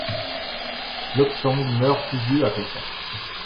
Lobsang meurt plus vieux à Pékin.